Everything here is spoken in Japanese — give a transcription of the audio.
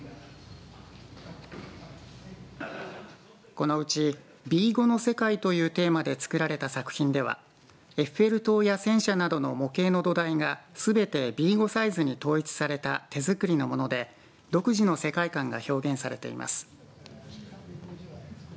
このうちＢ５の世界というテーマで作られた作品ではエッフェル塔や戦車などの模型の土台がすべてＢ５サイズに統一された手作りのもので独自の世界観が表現されています。